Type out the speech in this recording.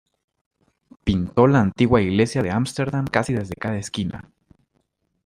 Pintó la antigua iglesia de Ámsterdam casi desde cada esquina.